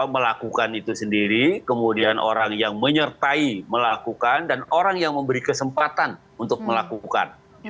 melakukan itu sendiri kemudian orang yang menyertai melakukan dan orang yang memberi kesempatan untuk melakukan